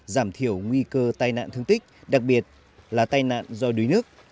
giảm thiểu nguy cơ tai nạn thương tích đặc biệt là tai nạn do đuối nước